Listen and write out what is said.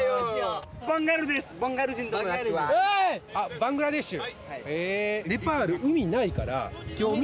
バングラデシュ！